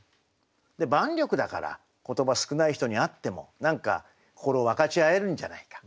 万緑だから言葉少ない人に会っても何か心を分かち合えるんじゃないか。